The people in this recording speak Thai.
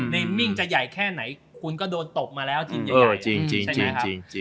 นีมมิ้งจะใหญ่แค่ไหนคุณก็โดนตบมาแล้วจริง